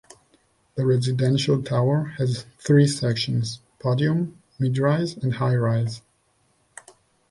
The residential tower has three sections: podium, mid rise and high rise.